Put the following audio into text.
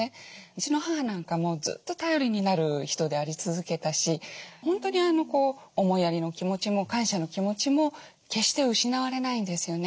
うちの母なんかもずっと頼りになる人であり続けたし本当に思いやりの気持ちも感謝の気持ちも決して失われないんですよね。